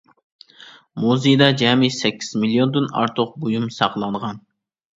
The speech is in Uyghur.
مۇزېيدا جەمئىي سەككىز مىليوندىن ئارتۇق بۇيۇم ساقلانغان.